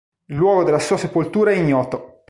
Il luogo della sua sepoltura è ignoto.